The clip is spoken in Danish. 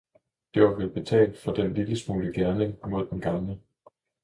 Det var vel betalt for den smule gerning mod den gamle!